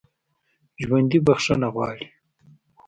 ژوندي بخښنه غواړي